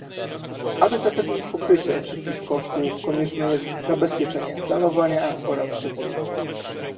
Aby zapewnić pokrycie wszystkich kosztów, konieczne jest zabezpieczenie planowania oraz przychodów